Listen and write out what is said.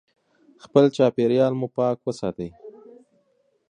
خپل چاپیریال مو پاک وساتئ.